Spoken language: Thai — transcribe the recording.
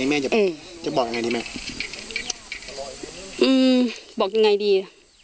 แม่จะแบบจะบอกยังไงดีแม่อืมบอกยังไงดี